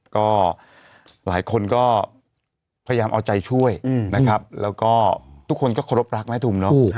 ก็หลายคนก็พยายามเอาใจช่วยนะครับแล้วก็ทุกคนก็เคารพรักแม่ทุมเนอะ